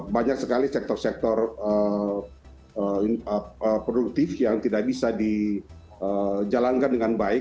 banyak sekali sektor sektor produktif yang tidak bisa dijalankan dengan baik